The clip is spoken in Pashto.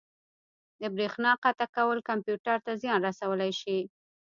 د بریښنا قطع کول کمپیوټر ته زیان رسولی شي.